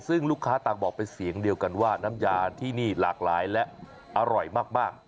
ซึ่งลูกค้าต่างบอกเป็นเสียงเดียวกันว่าน้ำยาที่นี่หลากหลายและอร่อยมาก